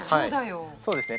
そうですね